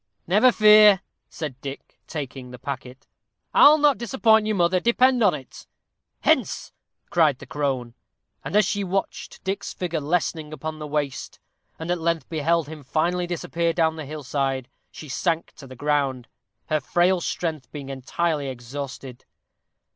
"Never fear," said Dick, taking the packet; "I'll not disappoint you, mother, depend upon it." "Hence!" cried the crone; and as she watched Dick's figure lessening upon the Waste, and at length beheld him finally disappear down the hill side, she sank to the ground, her frail strength being entirely exhausted.